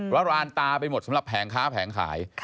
รานตาไปหมดสำหรับแผงค้าแผงขาย